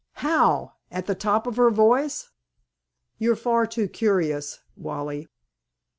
"How? At the top of her voice?" "You're far too curious, Wally."